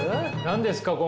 何ですか？